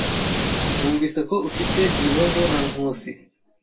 Numvise ko ufite ibibazo na Nkusi.